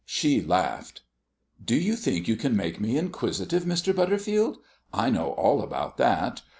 She laughed. "Do you think you can make me inquisitive, Mr. Butterfield? I know all about that.